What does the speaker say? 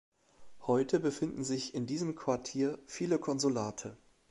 Heute befinden sich in diesem Quartier viele Konsulate.